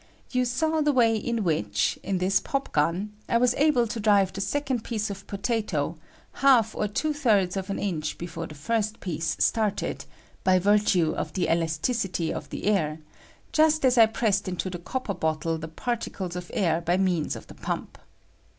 You saw the way in which, in this popgun, I was able to drive the second piece of potato half or two thirds of an inch before the first piece 140 ELASTICnT OF AIE. started, by virtue of the elasticity of the air, juat as I pressed into the copper bottle the particlea of air by means of the pump.